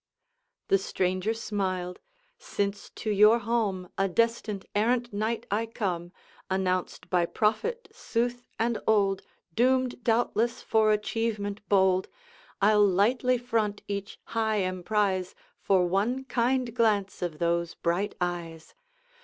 The stranger smiled: 'Since to your home A destined errant knight I come, Announced by prophet sooth and old, Doomed, doubtless, for achievement bold, I 'll lightly front each high emprise For one kind glance of those bright eyes.